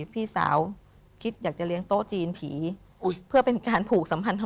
พี่สาวคิดอยากจะเลี้ยงโต๊ะจีนผีเพื่อเป็นการผูกสัมพันธ